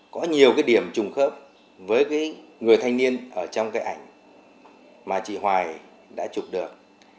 có nhiều điểm trùng khớp với người thanh niên ở trong ảnh mà chị hoài đã chụp được